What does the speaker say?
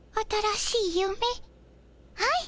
はい。